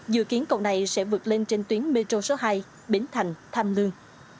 dự kiến cầu này sẽ vượt lên trên tuyến metro số hai bến thành tham lương